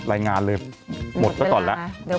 รายงานเลยหมดซะก่อนแล้ว